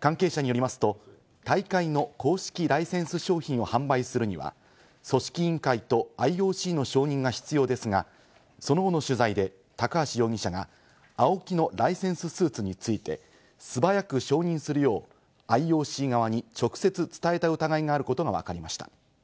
関係者によりますと、大会の公式ライセンス商品を販売するには組織委員会とＩＯＣの承認が必要ですが、その後の取材で高橋容疑者がＡＯＫＩのライセンススーツについて、素早く承認するようＩＯＣ側に直接伝えた疑いがあることがわかりました。